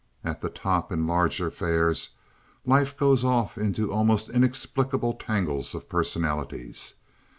At the top, in large affairs, life goes off into almost inexplicable tangles of personalities.